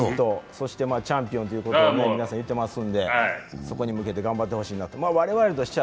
そしてチャンピオンということは皆さん言ってますので、そこに向けて頑張ってほしいと思います。